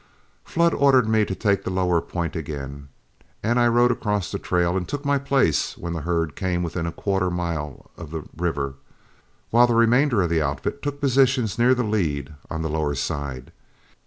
Flood ordered me to take the lower point again, and I rode across the trail and took my place when the herd came within a quarter of a mile of the river, while the remainder of the outfit took positions near the lead on the lower side.